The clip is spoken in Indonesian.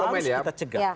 harus kita cegah